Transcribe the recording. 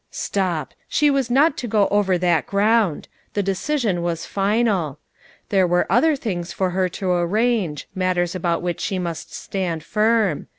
Stop! she was not to go over that ground; the decision was final. There were other things for her to arrange ; matters about which she must stand firm.